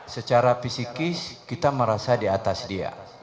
secara fisikis kita merasa di atas dia